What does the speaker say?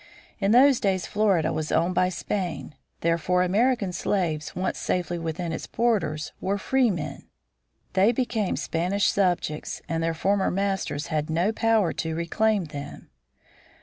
In those days Florida was owned by Spain. Therefore, American slaves once safely within its borders were free men. They became Spanish subjects and their former masters had no power to reclaim them.